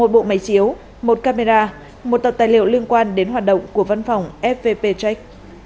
một bộ máy chiếu một camera một tập tài liệu liên quan đến hoạt động của văn phòng fvp check